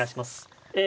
え